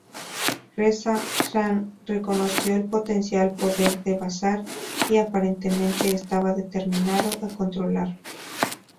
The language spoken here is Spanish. Reza Shah reconoció el potencial poder del bazar, y aparentemente estaba determinado a controlarlo.